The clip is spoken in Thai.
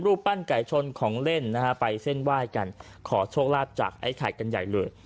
ปั้นไก่ชนของเล่นนะฮะไปเส้นไหว้กันขอโชคลาภจากไอ้ไข่กันใหญ่เลย